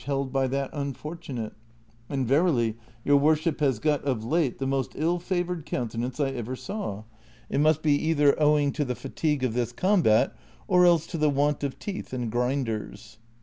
138 held by that unfortunate, and verily your worship has got of late the most ill favored fouutenanee I ever saAv : it must Ixi either owing to the fatigue of this combat, or else to the want of teeth and grinders."